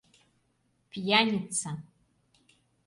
Пьяница!